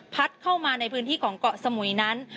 เข้ามาในพื้นที่ของเกาะสมุยนั้น